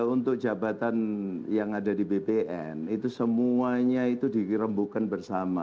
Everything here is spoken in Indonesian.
untuk jabatan yang ada di bpn itu semuanya itu digerembukan bersama